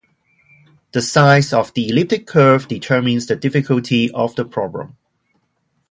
The size of the elliptic curve determines the difficulty of the problem.